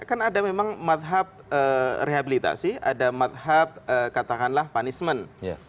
kan ada memang madhab rehabilitasi ada madhab katakanlah punishment